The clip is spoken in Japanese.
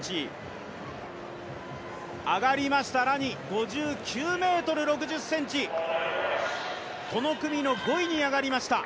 上がりました、ラニ５９ｍ６０ｃｍこの組の５位に上がりました。